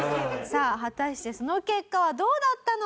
さあ果たしてその結果はどうなったのか？